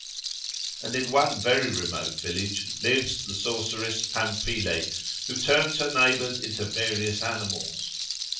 And in one very remote village lives the sorceress Pamphile, who turns her neighbours into various animals.